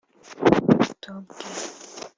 Rutobwe